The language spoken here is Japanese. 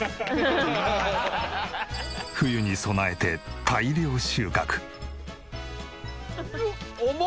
冬に備えて大量収穫。